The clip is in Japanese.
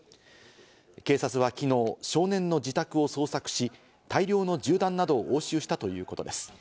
警察はきのう、少年の自宅を捜索し、大量の銃弾などを押収したということです。